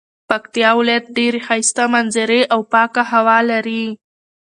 پکتيا ولايت ډيري ښايسته منظري او پاکه هوا لري